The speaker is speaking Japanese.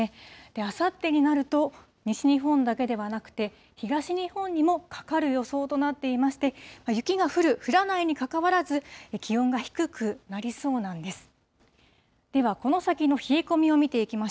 あさってになると、西日本だけではなくて、東日本にもかかる予想となっていまして、雪が降る、降らないにかかわらず、気温が低くなりそうなんです。